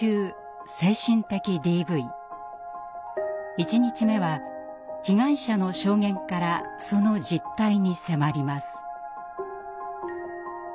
１日目は被害者の証言からその実態に迫ります。